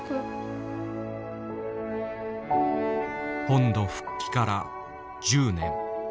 本土復帰から１０年。